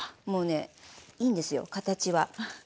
もうねいいんですよ形は。